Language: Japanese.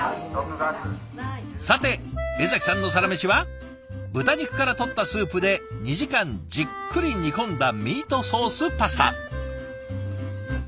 さて江さんのサラメシは豚肉からとったスープで２時間じっくり煮込んだミートソースパスタ。